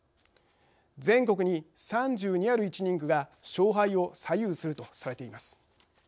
全国に３２ある１人区が勝敗を左右するとされています。